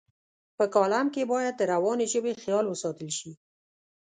په کالم کې باید د روانې ژبې خیال وساتل شي.